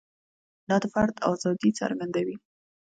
دا د فرد ازادي څرګندوي.